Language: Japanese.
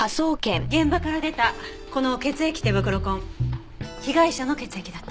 現場から出たこの血液手袋痕被害者の血液だった。